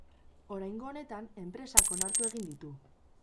Oraingo honetan enpresak onartu egin ditu.